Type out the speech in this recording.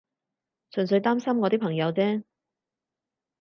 純粹擔心我啲朋友啫